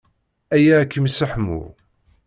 Aya ad kem-yesseḥmu.